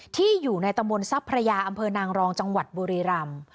ที่อยู่ในตระมนซัพประยาเป้อน้างรองจังหวัดบุรีรัมย์